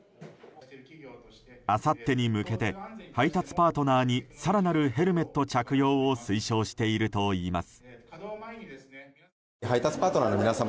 あさってに向けて配達パートナーに更なるヘルメット着用を推奨しているといいます。